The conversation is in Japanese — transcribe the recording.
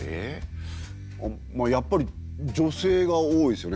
やっぱり女性が多いですよね。